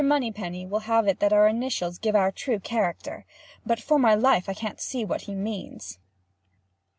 Moneypenny will have it that our initials give our true character—but for my life I can't see what he means.